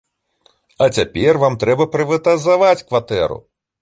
А цяпер вам трэба прыватызаваць кватэру.